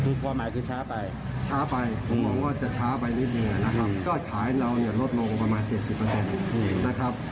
คือความหนาที่ช้าไปช้าไปผมหอมว่าจะช้าไปนิดหนึ่งแบบนี้ก็ขายเราเนี่ยลดลงประมาณ๙๐เปอร์แปนนะครับ